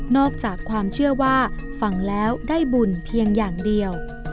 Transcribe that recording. จากความเชื่อว่าฟังแล้วได้บุญเพียงอย่างเดียว